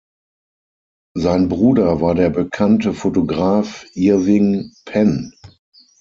Sein Bruder war der bekannte Fotograf Irving Penn.